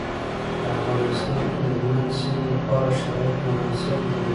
په افغانستان کې د هلمند سیند لپاره شرایط مناسب دي.